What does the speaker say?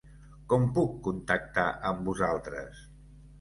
Com puc contactar amb vosaltres?